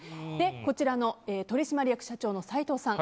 こちらの取締役社長の斎藤さん。